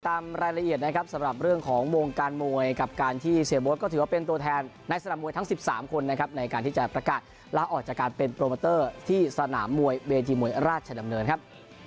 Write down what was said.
ตามรายละเอียดนะครับสำหรับเรื่องของวงการมวยกับการที่เสียโบ๊ทก็ถือว่าเป็นตัวแทนในสนามมวยทั้ง๑๓คนนะครับในการที่จะประกาศลาออกจากการเป็นโปรโมเตอร์ที่สนามมวยเวทีมวยราชดำเนินครับ